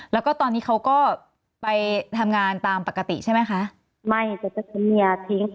แล้วก็ตอนนี้เขาก็ไปทำงานตามปกติใช่ไหมคะไม่แต่จะทิ้งเมียทิ้ง